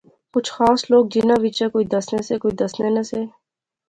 کچھ خاص لوک جنہاں وچا کوئی دسنے سے کوئی دسنے نہسے